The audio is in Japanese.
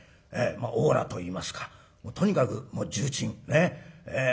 オーラといいますかとにかくもう重鎮。